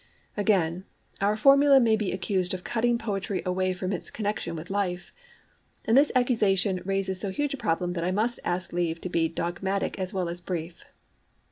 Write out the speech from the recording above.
Again, our formula may be accused of cutting poetry away from its connexion with life. And this accusation raises so huge a problem that I must ask leave to be dogmatic as well as brief.